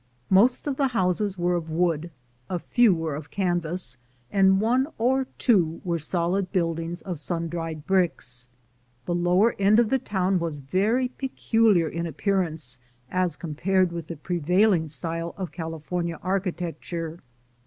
Most of the houses were of wood, a few were of canvas, and one or two were solid buildings of sun dried bricks. The lower end of the town was very peculiar in appear ance as compared with the prevailing style of Cali fornia architecture.